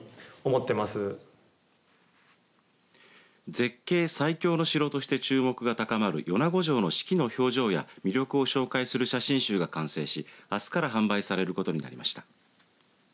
絶景、最強の城として注目が高まる米子城の四季の表情や魅力を紹介する写真集が完成しあすから販売されることになりました。